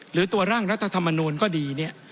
หรือตัวร่างรัฐธรรมนูลก็ดีเนี่ย